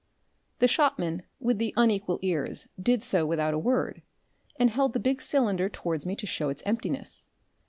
The shopman with the unequal ears did so without a word, and held the big cylinder towards me to show its emptiness.